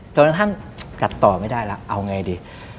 เท่านั้นท่านกัดต่อไม่ได้แล้วเอาไงดิ